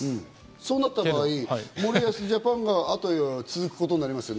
そうなった場合、森保ジャパンが続くことになりますね。